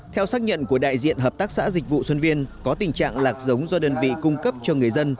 theo xác nhận của đại diện hợp tác xã dịch vụ xuân viên có tình trạng lạc giống do đơn vị cung cấp cho người dân